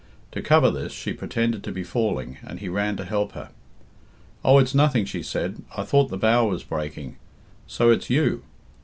To cover this, she pretended to be falling, and he ran to help her. "Oh, it's nothing," she said. "I thought the bough was breaking. So it's you!"